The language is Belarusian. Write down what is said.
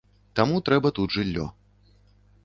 Таму трэба тут жыллё.